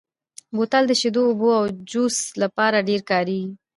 بوتل د شیدو، اوبو او جوس لپاره ډېر کارېږي.